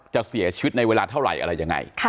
เสียชีวิตในเวลาเท่าไหร่อะไรยังไง